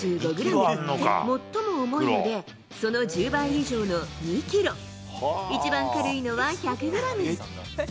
最も重いで、その１０倍以上の２ｋｇ。一番軽いのは１００ｇ。